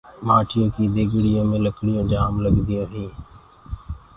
مآٽيو ڪيٚ ديگڙيو مي لڪڙيونٚ جآم لگديونٚ هينٚ۔